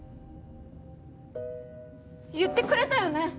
言ってくれたよね！？